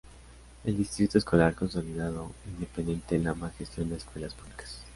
El Distrito Escolar Consolidado Independiente Lamar gestiona escuelas públicas.